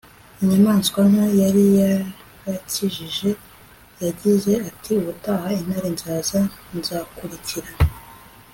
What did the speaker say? inyamaswa nto yari yarakijije yagize ati ubutaha intare nzaza nzakurikira